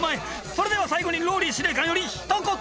それでは最後にＲＯＬＬＹ司令官よりひと言！